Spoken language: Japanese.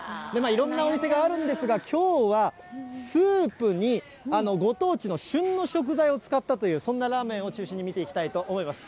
いろんなお店があるんですが、きょうはスープにご当地の旬の食材を使ったという、そんなラーメンを中心に見ていきたいと思います。